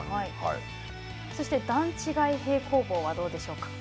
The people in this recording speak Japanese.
そして、段違い平行棒はどうでしょうか。